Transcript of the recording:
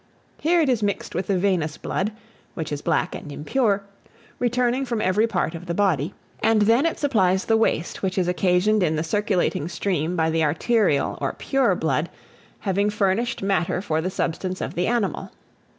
Here it is mixed with the venous blood (which is black and impure) returning from every part of the body, and then it supplies the waste which is occasioned in the circulating stream by the arterial (or pure) blood having furnished matter for the substance of the animal.